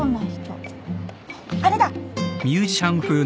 あれだ！